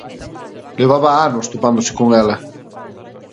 Levaba anos topándose con ela.